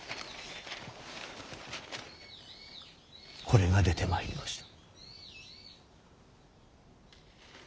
これが出てまいりました。